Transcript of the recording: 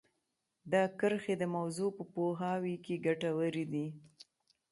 دا کرښې د موضوع په پوهاوي کې ګټورې دي